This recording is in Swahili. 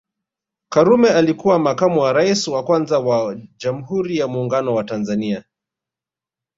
Karume alikuwa makamu wa rais wa kwanza wa Jamhuri ya Muungano wa Tanzania